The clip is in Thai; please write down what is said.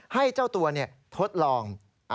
ให้เจ้าตัวทดลอง